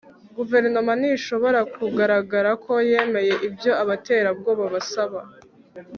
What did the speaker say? guverinoma ntishobora kugaragara ko yemeye ibyo abaterabwoba basaba